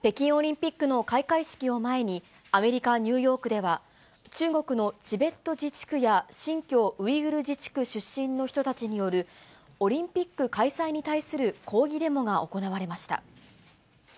北京オリンピックの開会式を前に、アメリカ・ニューヨークでは、中国のチベット自治区や新疆ウイグル自治区出身の人たちによる、オリンピック開催に対する抗議デモが行われました。